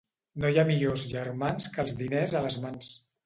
No hi ha millors germans que els diners a les mans.